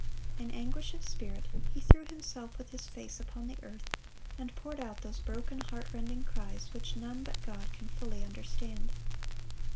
In anguish of spirit he threw himself with his face upon the earth, and poured out those broken, heart rending cries, which none but God can fully understand.